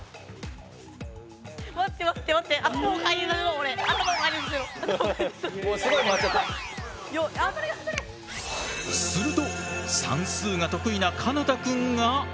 これはすると算数が得意な奏多くんが！？